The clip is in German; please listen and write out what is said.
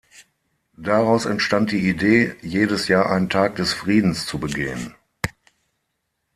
Daraus entstand die Idee, jedes Jahr einen Tag des Friedens zu begehen.